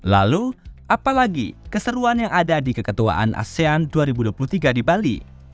lalu apalagi keseruan yang ada di keketuaan asean dua ribu dua puluh tiga di bali